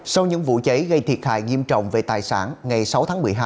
sau những vụ cháy gây thiệt hại nghiêm trọng về tài sản ngày sáu tháng một mươi hai